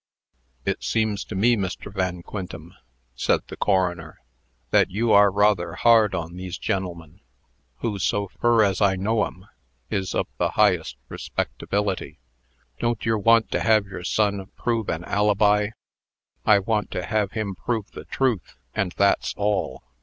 "It seems to me, Mr. Van Quintem," said the coroner, "that you are rather hard on these gen'lemen, who, so fur as I know 'em, is of the highest respectability. Don't yer want to have yer son prove an alibi?" "I want to have him prove the truth, and that's all.